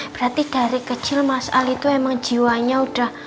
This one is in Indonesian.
berarti dari kecil mas ali itu emang jiwanya udah